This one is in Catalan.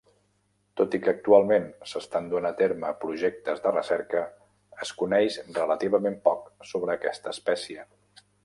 Tot i que actualment s'estan duent a terme projectes de recerca, es coneix relativament poc sobre aquesta espècie.